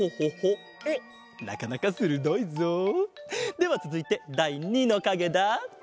なかなかするどいぞ！ではつづいてだい２のかげだ。